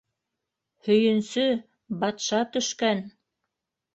— Һөйөнсө, батша төшкән!